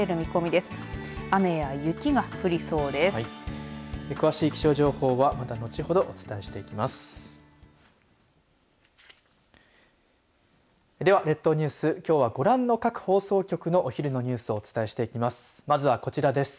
では、列島ニュース、きょうはご覧の各放送局のお昼のニュースをお伝えします。